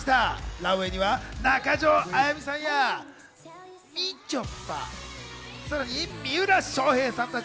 ランウェイには中条あやみさんや、みちょぱ、さらに三浦翔平さんたち